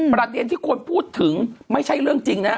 ประเด็นที่ควรพูดถึงไม่ใช่เรื่องจริงนะ